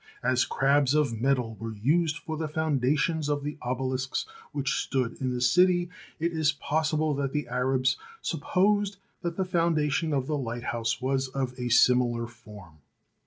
As crabs of metal were used for the foundations of the obelisks which stood in the city, it is possible that the Arabs sup posed that the foundation of the lighthouse was of a similar form.